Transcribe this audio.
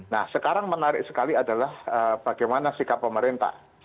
nah sekarang menarik sekali adalah bagaimana sikap pemerintah